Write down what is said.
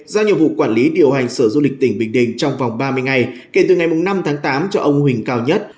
giao nhiệm vụ quản lý điều hành sở du lịch tỉnh bình định trong vòng ba mươi ngày kể từ ngày năm tháng tám cho ông huỳnh cao nhất